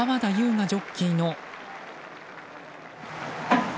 雅ジョッキーの。